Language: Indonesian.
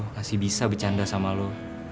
masih bisa bercanda sama lu